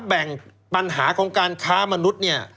แบ่งปัญหาของการค้ามนุษย์เนี่ย